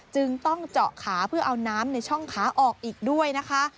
จึงต้องเจาะขาเพื่อเอาน้ำในช่องขาออกอีกด้วยนะคะ